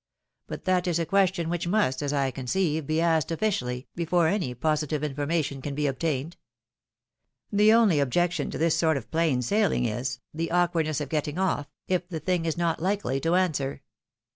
But that is a question which must, as I conceive, be asked ofiicially, before any positive information can be obtained. The only objection to this sort of plain sailing is, the awkward EAISING THE WIND. 267 ness of getting off, if the thing is not likely to answer.